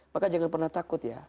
maka jangan pernah takut ya